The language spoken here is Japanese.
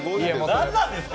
何なんですか？